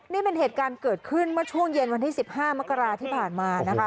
นี่เป็นเหตุการณ์เกิดขึ้นเมื่อช่วงเย็นวันที่๑๕มกราที่ผ่านมานะคะ